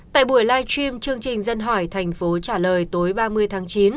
tại buổi live stream chương trình dân hỏi thành phố trả lời tối ba mươi tháng chín